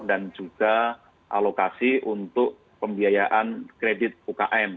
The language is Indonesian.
dan juga alokasi untuk pembiayaan kredit ukm